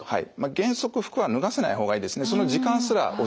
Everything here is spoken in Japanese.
原則服は脱がせない方がいいですね。